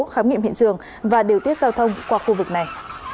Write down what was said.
khám nghiệm hiện trường và điều tiết giao thông qua khu vực này